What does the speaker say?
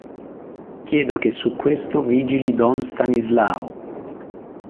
Chiedo che su questo vigili don Stanislao.